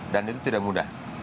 dan itu tidak mudah